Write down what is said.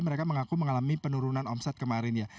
mereka mengaku mengalami penurunan omset kemarin ya